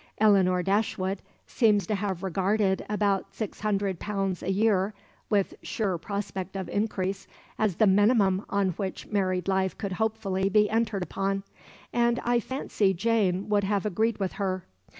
Elinor Dashwood seems to have regarded about £600 a year (with sure prospect of increase) as the minimum on which married life could hopefully be entered upon, and I fancy Jane would have agreed with her.